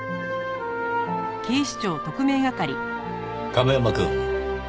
亀山くん。